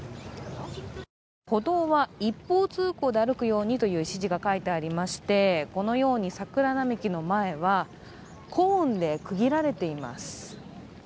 歩道は一方通行で歩くようにという指示が書いてありまして、このように桜並木の前はコーンで区切られています。